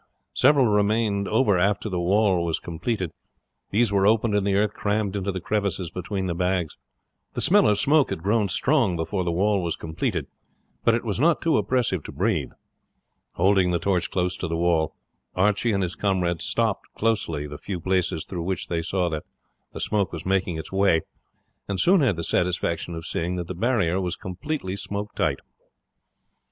Several remained over after the wall was completed; these were opened and the earth crammed into the crevices between the bags. The smell of smoke had grown strong before the wall was completed, but it was not too oppressive to breathe. Holding the torch close to the wall, Archie and his comrade stopped closely the few places through which they saw that the smoke was making its way, and soon had the satisfaction of seeing that the barrier was completely smoke tight.